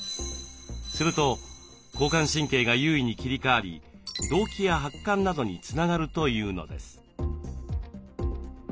すると交感神経が優位に切り替わり動悸や発汗などにつながるというのです。